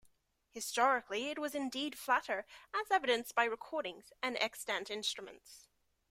Historically it was indeed flatter, as evidenced by recordings, and extant instruments.